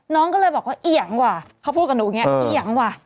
น้องก็เลยบอกว่าเอียงว่ะเขาพูดกับหนูอย่างนี้เอียงว่ะ